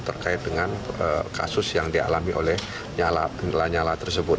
terkait dengan kasus yang dialami oleh lanyala tersebut